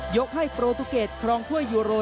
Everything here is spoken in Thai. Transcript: ยกให้โปรตูเกตครองถ้วยยูโร